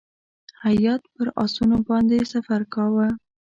هیات پر آسونو باندې سفر کاوه.